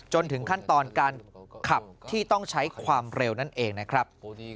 จนถึงขั้นตอนการขับที่ต้องใช้ความเร็วนั่นเองนะครับ